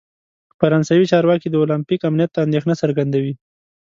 فرانسوي چارواکي د اولمپیک امنیت ته اندیښنه څرګندوي.